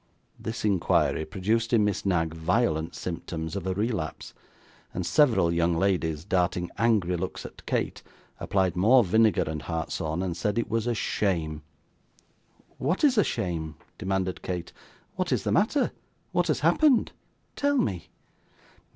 This inquiry produced in Miss Knag violent symptoms of a relapse; and several young ladies, darting angry looks at Kate, applied more vinegar and hartshorn, and said it was 'a shame.' 'What is a shame?' demanded Kate. 'What is the matter? What has happened? tell me.